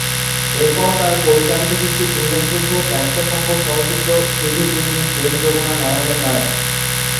এরপর তার পরিচালিত কিছু উল্লেখযোগ্য ব্যবসা সফল চলচ্চিত্র শুধু তুমি, প্রেম যমুনা, নয়নের নয়ন।